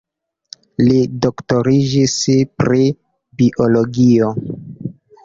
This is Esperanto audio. Li doktoriĝis pri biologio.